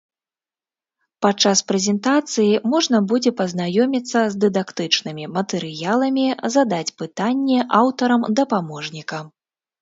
Падчас прэзентацыі можна будзе пазнаёміцца з дыдактычнымі матэрыяламі, задаць пытанні аўтарам дапаможніка.